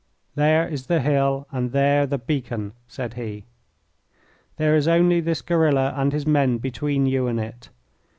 "There is the hill and there the beacon," said he. "There is only this guerilla and his men between you and it.